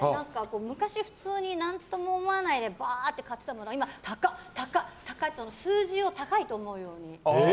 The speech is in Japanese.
昔、普通に何とも思わないでぱーっと買ってたものが今は、高っ！って数字を高いと思うように。